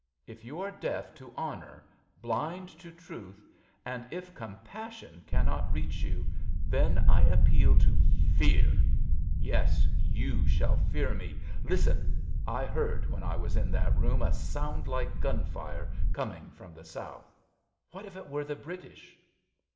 If you are deaf to honour, blind To truth, and if compassion cannot reach you, 61 RADA Then I appeal to fear ! Yes, you shall fear me. Listen! I heard, when I was in that room, A sound like gun fire, coming from the south : What if it were the British